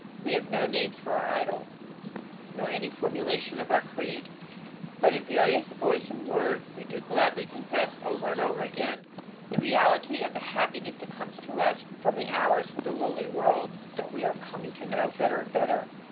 We have no names for our idols, nor any formulation of our creed. But in various voice and word we do gladly confess over and over again the reality of the happiness that comes to us from our hours with the lowly world that we are coming to know better and better.